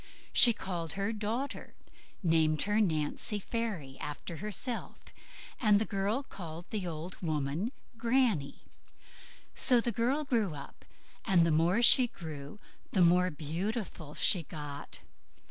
She called her "daughter", named her "Nancy Fairy", after herself, and the girl called the old woman "Granny". So the girl grew up, and the more she grew the more beautiful she got.